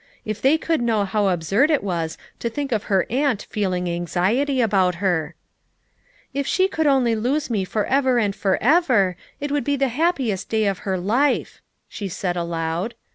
If they could know how absurd it was to think of her aunt feeling anxiety about her ! "If she could only lose me forever and for ever it would be the happiest day of her life," she said aloud.